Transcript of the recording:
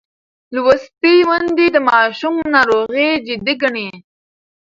لوستې میندې د ماشوم ناروغي جدي ګڼي.